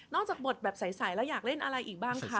จากบทแบบใสแล้วอยากเล่นอะไรอีกบ้างคะ